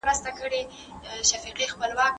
د پوهو او باوري کسانو سره د خاطب اړوند مشورې کول.